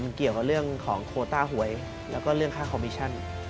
เกี่ยวกับเรื่องของโคต้าหวยแล้วก็เรื่องค่าคอมมิชชั่น